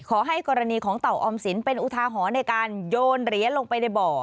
กรณีของเต่าออมสินเป็นอุทาหรณ์ในการโยนเหรียญลงไปในบ่อ